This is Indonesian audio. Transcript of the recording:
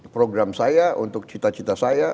program saya untuk cita cita saya